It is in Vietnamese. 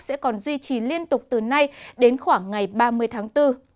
sẽ còn duy trì liên tục từ nay đến khoảng ngày ba mươi tháng bốn